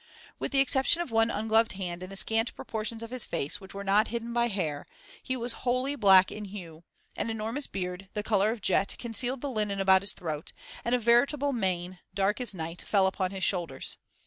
With the exception of one ungloved hand and the scant proportions of his face which were not hidden by hair, he was wholly black in hue; an enormous beard, the colour of jet, concealed the linen about his throat, and a veritable mane, dark as night, fell upon his shoulders.